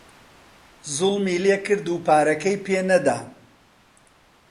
زووڵمی لێکرد و پارەکەی پێ نەدا